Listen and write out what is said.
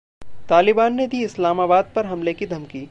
तालिबान ने दी इस्लामाबाद पर हमले की धमकी